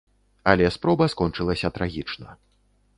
Але спроба скончылася трагічна.